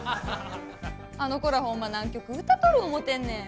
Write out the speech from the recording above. あの子らホンマ何曲歌っとる思ってんねん。